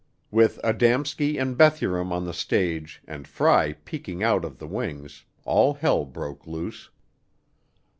With Adamski and Bethurum on the stage and Fry peeking out of the wings all hell broke loose.